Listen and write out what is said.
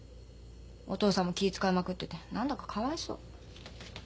お父さんも気遣いまくってて何だかかわいそう。